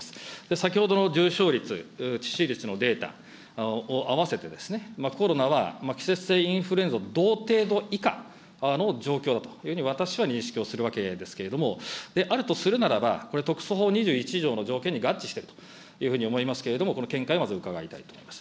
先ほどの重症率、致死率のデータ、合わせてですね、コロナは季節性インフルエンザと同程度以下の状況だと、私は認識をするわけですけれども、であるとするならば、これ、特措法２１条の条件に合致しているというふうに思いますけれども、この見解をまず伺いたいと思います。